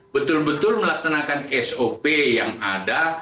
betul betul melaksanakan sop yang ada